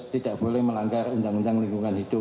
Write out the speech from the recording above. tidak boleh melanggar undang undang lingkungan hidup